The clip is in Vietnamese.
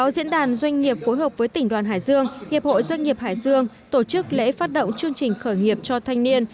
diễn đàn doanh nghiệp phối hợp với tỉnh đoàn hải dương hiệp hội doanh nghiệp hải dương tổ chức lễ phát động chương trình khởi nghiệp cho thanh niên